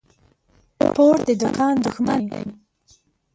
پور د دوکان دښمن دى.